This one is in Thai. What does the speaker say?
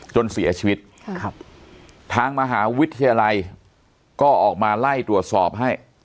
จนเสียชีวิตทางมหาวิทยาลัยก็ออกมาไล่ตรวจสอบให้